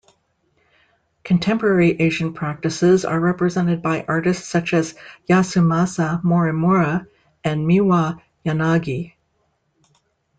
Contemporary Asian practices are represented by artists such as Yasumasa Morimura and Miwa Yanagi.